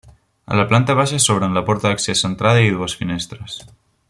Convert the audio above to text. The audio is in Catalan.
A la planta baixa s'obren la porta d'accés centrada i dues finestres.